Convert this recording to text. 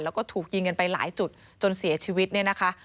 แล้วก็ถูกยิงกันไปหลายจุดจนเสียชีวิตเนี่ยนะคะ